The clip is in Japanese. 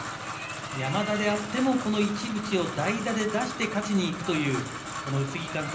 山田であってもこの市口を代打で出して勝ちにいくという、宇津木監督。